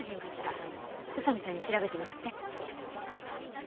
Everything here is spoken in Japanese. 宇佐見さんに調べてもらって。